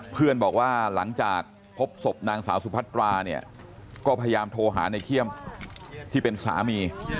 เพื่อนบอกว่าหลังจากพบศพนางสาวสุพัตราเนี่ยก็พยายามโทรหาในเขี้ยมที่เป็นสามี